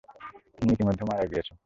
তুমি ইতিমধ্যে মারা গিয়েছ।